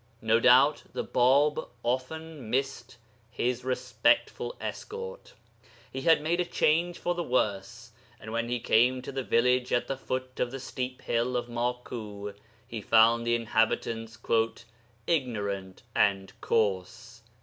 No doubt the Bāb often missed his respectful escort; he had made a change for the worse, and when he came to the village at the foot of the steep hill of Maku, he found the inhabitants 'ignorant and coarse.'